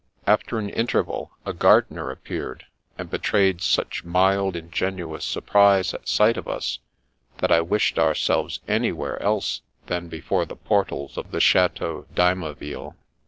After an interval a gardener appeared, and be trayed such mild, ingenuous surprise at sight of us that I wished ourselves anywhere else than before the portals of the Chateau d'Aymaville.